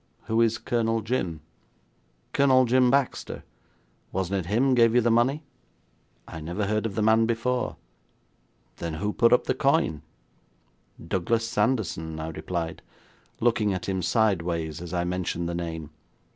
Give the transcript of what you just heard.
'Who is Colonel Jim?' 'Colonel Jim Baxter. Wasn't it him gave you the money?' 'I never heard of the man before.' 'Then who put up the coin?' 'Douglas Sanderson,' I replied, looking at him sidewise as I mentioned the name.